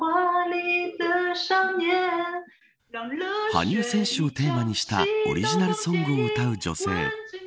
羽生選手をテーマにしたオリジナルソングを歌う女性。